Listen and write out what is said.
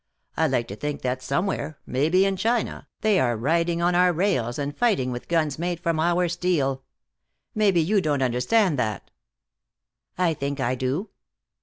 I like to think that somewhere, maybe in China, they are riding on our rails and fighting with guns made from our steel. Maybe you don't understand that." "I think I do."